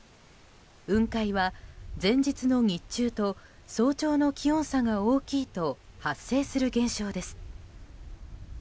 雲海は、前日の日中と早朝の気温差が大きいと発生する現象です。